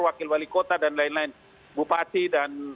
wakil wali kota dan lain lain bupati dan